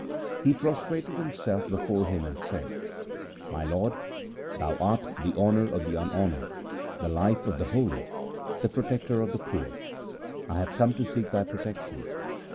1 He pro strated himself before him and said, ' My lord, thou art the honour of the unhonoured, the life of the holy, the protector of the poor. I have come to seek thy protection.